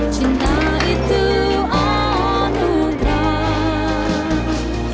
cinta itu anugerah